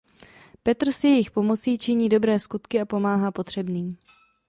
Petr s jejich pomocí činí dobré skutky a pomáhá potřebným.